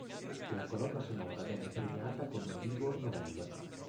La colonna sonora venne premiata con l'Ivor Novello.